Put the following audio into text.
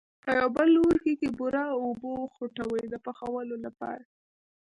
په یو بل لوښي کې بوره او اوبه وخوټوئ د پخولو لپاره.